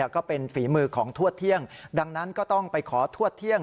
ก็เป็นฝีมือของทวดเที่ยงดังนั้นก็ต้องไปขอทวดเที่ยง